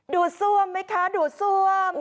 ซ่วมไหมคะดูดซ่วม